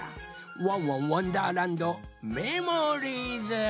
「ワンワンわんだーらんどメモリーズ」。